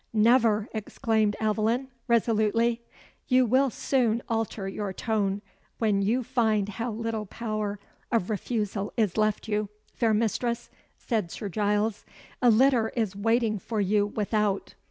"Never!" exclaimed Aveline, resolutely. "You will soon alter your tone, when you find how little power of refusal is left you, fair mistress," said Sir Giles. "A litter is waiting for you without.